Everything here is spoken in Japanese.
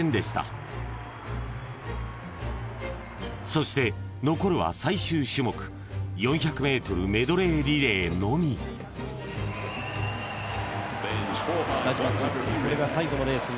［そして残るは最終種目４００ｍメドレーリレーのみ］北島康介